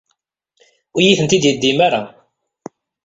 Ur iyi-tent-id yeddim ara.